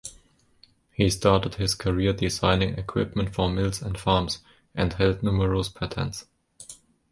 He started his career designing equipment for mills and farms, and held numerous patents.